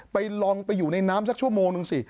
ลองไปอยู่ในน้ำสักชั่วโมงนึงสิ